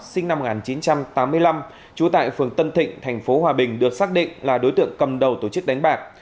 sinh năm một nghìn chín trăm tám mươi năm trú tại phường tân thịnh tp hòa bình được xác định là đối tượng cầm đầu tổ chức đánh bạc